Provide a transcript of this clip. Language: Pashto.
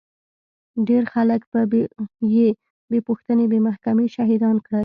ډېر خلک يې بې پوښتنې بې محکمې شهيدان کړل.